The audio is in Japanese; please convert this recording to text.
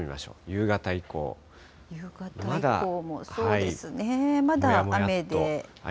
夕方以降も、そうですね、まだ雨で。